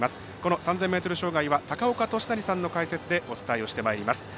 ３０００ｍ障害は高岡寿成さんの解説でお伝えしていきます。